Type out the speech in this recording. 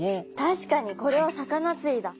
確かにこれは魚釣りだ。